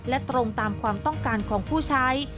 และตรงตามความต้องการของผู้ใช้